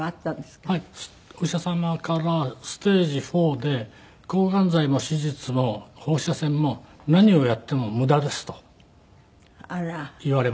お医者様から「ステージⅣで抗がん剤も手術も放射線も何をやっても無駄です」と言われました。